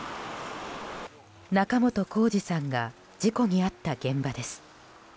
仲本工事さんが事故に遭った現場です。